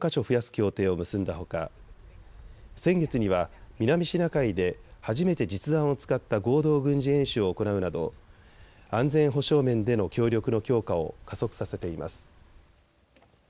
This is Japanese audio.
協定を結んだほか先月には南シナ海で初めて実弾を使った合同軍事演習を行うなど安全保障面での協力の強化を加速させています。